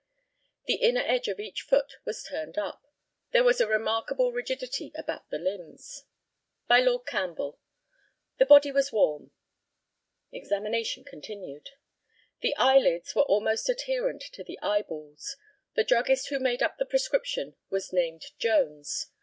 The inner edge of each foot was turned up. There was a remarkable rigidity about the limbs. By Lord CAMPBELL: The body was warm. Examination continued: The eyelids were almost adherent to the eyeballs. The druggist who made up the prescription was named Jones.